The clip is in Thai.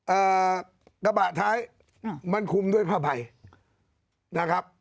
เอ่อกระบะท้ายอ่ามันคุมด้วยผ้าใบนะครับ